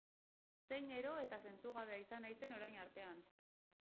Zein ero eta zentzugabea izan naizen orain artean!